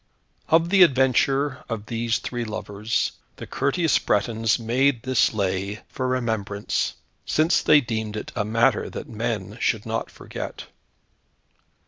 Of the adventure of these three lovers, the courteous Bretons made this Lay for remembrance, since they deemed it a matter that men should not forget.